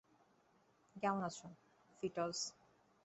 কেমন আছ, ফিটজ?